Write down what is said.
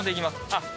あっ！